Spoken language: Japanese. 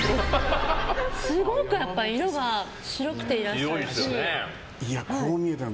すごく色が白くていらっしゃるし。